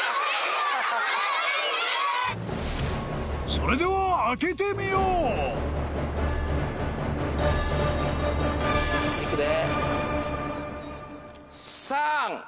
［それでは開けてみよう］よいしょ！